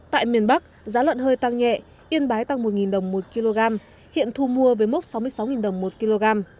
tại miền bắc giá lợn hơi tăng nhẹ yên bái tăng một đồng một kg hiện thu mua với mốc sáu mươi sáu đồng một kg